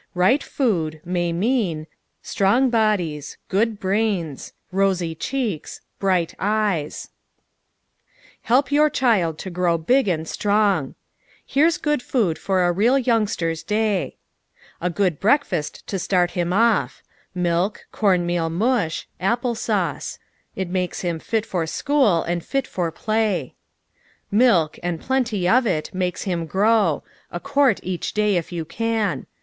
Right food ŌĆö may mean Strong bodies Good brains Rosy cheeks Bright eyes 17474┬░ 17 Help Your Child To Here's Good Food for a Real Youngster's Day A good breakfast to start him oil ŌĆö milk, com meai mush, apple sauce. It makes him fit for school and fit for play. Milk and plenty of it, makes him grow ŌĆö a quart each day if you can.